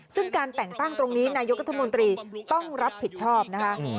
ซึ่งการแต่งตั้งตรงนี้นายกรัฐมนตรีต้องรับผิดชอบนะคะ